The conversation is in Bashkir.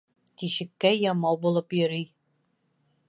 Тишеккә ямау булып йөрөй.